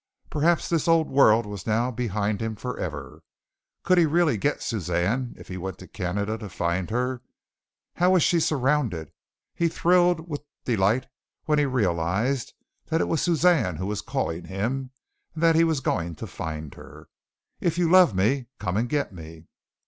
Perhaps this old world was now behind him forever. Could he really get Suzanne, if he went to Canada to find her? How was she surrounded? He thrilled with delight when he realized that it was Suzanne who was calling him and that he was going to find her. "If you love me, come and get me."